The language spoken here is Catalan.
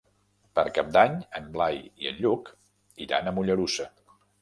Per Cap d'Any en Blai i en Lluc iran a Mollerussa.